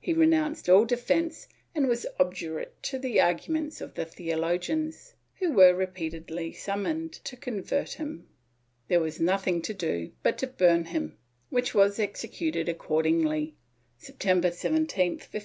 He renounced all defence and was obdurate to the arguments of the theologians, who were re peatedly summoned to convert him; there was nothing to do but to burn him, which was executed accordingly, September 17, 1564.